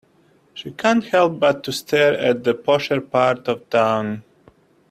She can't help but to stare at the posher parts of town.